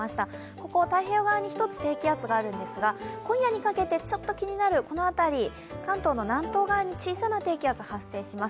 ここ、太平洋側に１つ低気圧があるんですが、今夜にかけてちょっと気になるこの辺り、関東の南東側に小さな低気圧、発生します。